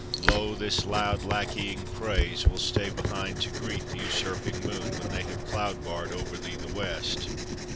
Lo! this loud, lackeying praise Will stay behind to greet the usurping moon, When they have cloud barred over thee the West.